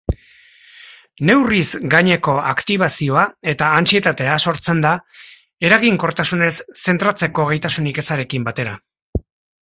Neurriz gaineko aktibazioa eta antsietatea sortzen da, eraginkortasunez zentratzeko gaitasunik ezarekin batera.